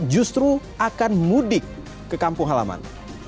justru akan mudik ke kampung halaman